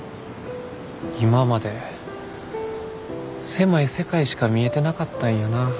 今まで狭い世界しか見えてなかったんやな。